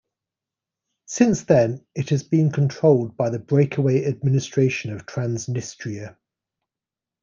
Since then, it has been controlled by the breakaway administration of Transnistria.